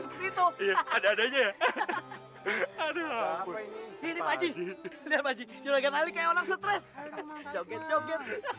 seperti itu ada adanya adalah ini paji lihat baju juga kali kayak orang stres joget joget